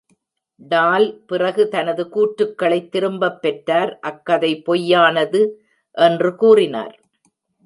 டால் பிறகு தனது கூற்றுக்களைத் திரும்பப் பெற்றார், அக்கதை பொய்யானது என்று கூறினார்.